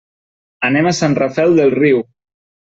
Anem a Sant Rafel del Riu.